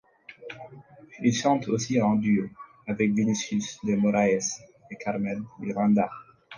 Il chante aussi en duo avec Vinícius de Moraes et Carmen Miranda.